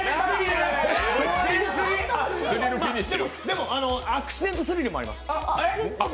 でも、アクシデントスリルもあります。